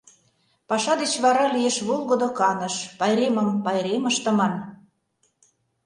Паша деч вара лиеш волгыдо каныш, Пайремым пайрем ыштыман.